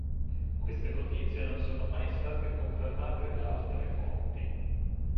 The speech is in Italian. Queste notizie non sono mai state confermate da altre fonti.